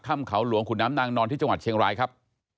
ถ้ำเขาหลวงขุนน้ำนางนอนที่จังหวัดเชียงรายครับ